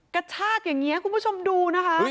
กระชากอย่างนี้คุณผู้ชมดูนะคะ